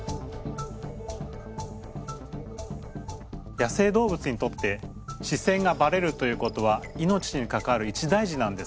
野生動物にとって視線がバレるということは命に関わる一大事なんです。